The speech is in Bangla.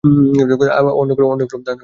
অন্য কোনরূপ দান তাঁহাকে নেওয়ান যাইত না।